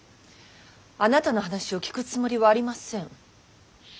あなたの話を聞くつもりはありません。